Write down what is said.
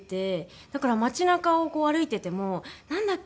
だから街なかを歩いてても「なんだっけ？